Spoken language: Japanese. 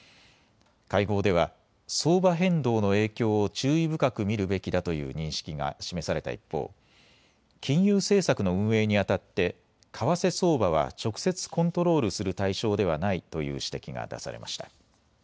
会合では相場変動の影響を注意深く見るべきだという認識が示された一方、金融政策の運営にあたって為替相場は直接コントロールする対象ではないという指摘が出されました。